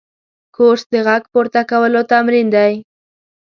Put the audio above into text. کورس د غږ پورته کولو تمرین دی.